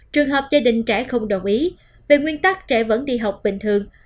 trường hợp gia đình trẻ không đồng ý về nguyên tắc trẻ vẫn đi học bình thường